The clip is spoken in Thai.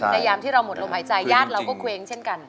ยามที่เราหมดลมหายใจญาติเราก็เคว้งเช่นกัน